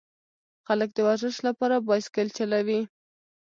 خلک د ورزش لپاره بایسکل چلوي.